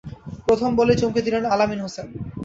প্রথম বলেই চমকে দিলেন আল আমিন হোসেন।